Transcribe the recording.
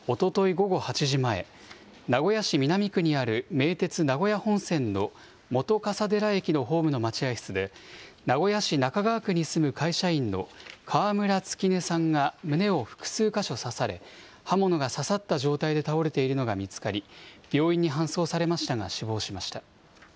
午後８時前、名古屋市南区にある名鉄名古屋本線の本笠寺駅のホームの待合室で、名古屋市中川区に住む会社員の川村月音さんが胸を複数箇所刺され、刃物が刺さった状態で倒れているのが見つかり、病院に搬送されましたが死亡しました。